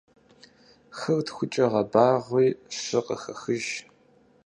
Хыр тхукӏэ гъэбагъуи щы къыхэхыж.